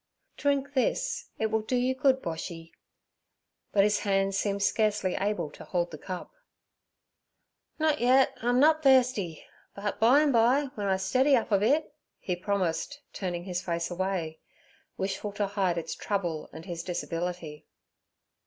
'Drink this. It will do you good, Boshy.' But his hands seemed scarcely able to hold the cup. 'Nut yet—I'm nut thirsty—but by and by, w'en I stiddy up a bit' he promised, turning his face away, wishful to hide its trouble and his disability.